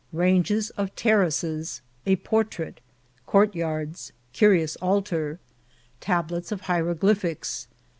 — Ranges of Terraces.— A Portrait — Coiirtyards.~Ciirioos Altar. — Tablets of Hieroglyphics.